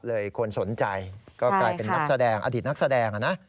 เลยควรสนใจก็กลายเป็นนักแสดงอดิตนักแสดงอ่ะนะ